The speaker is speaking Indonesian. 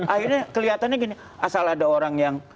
akhirnya kelihatannya gini asal ada orang yang